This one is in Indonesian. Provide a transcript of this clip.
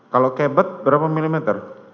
kalau kebot berapa milimeter